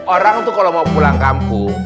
orang tuh kalau mau pulang kampung